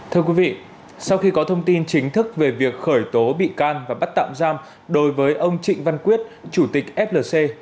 thưa quý vị sau khi có thông tin chính thức về việc khởi tố bị can và bắt tạm giam đối với ông trịnh văn quyết chủ tịch flc